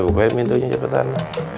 edward nenek bukain pintunya cepetan